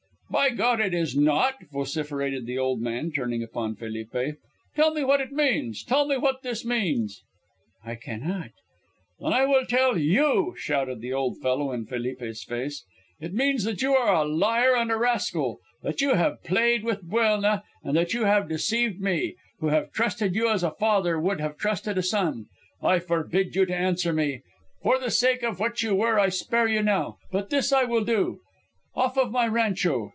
"By God, it is not!" vociferated the old man, turning upon Felipe. "Tell me what it means. Tell me what this means." "I cannot." "Then I will tell you!" shouted the old fellow in Felipe's face. "It means that you are a liar and a rascal. That you have played with Buelna, and that you have deceived me, who have trusted you as a father would have trusted a son. I forbid you to answer me. For the sake of what you were I spare you now. But this I will do. Off of my rancho!"